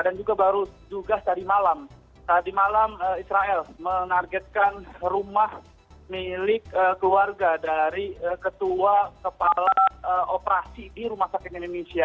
dan juga baru juga tadi malam tadi malam israel menargetkan rumah milik keluarga dari ketua kepala operasi di rumah sakit indonesia